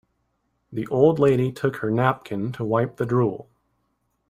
The old lady took her napkin to wipe the drool.